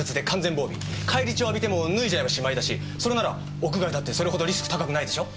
返り血を浴びても脱いじゃえばしまいだしそれなら屋外だってそれ程リスク高くないでしょ？